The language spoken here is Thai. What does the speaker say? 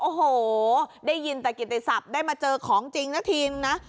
โอ้โหได้ยินแต่กินไทยศัพท์ได้มาเจอของจริงแล้วทิ้งนะ